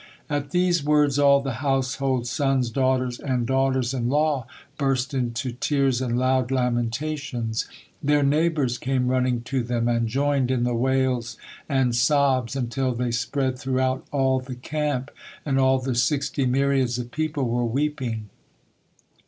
At these words all the household, sons, daughters, and daughters in law, burst into tears and loud lamentations. Their neighbors came running to them and joined in the wails and sobs until they spread throughout all the camp, and all the sixty myriads of people were weeping.